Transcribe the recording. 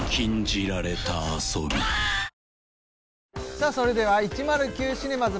さあそれでは１０９シネマズ